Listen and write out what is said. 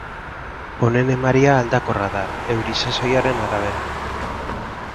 Honen emaria aldakorra da, euri-sasoiaren arabera.